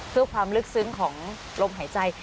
เพื่อความลึกซึ้งของลมหายใจ